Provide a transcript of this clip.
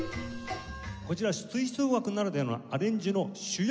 こちら吹奏楽ならではのアレンジの主役は？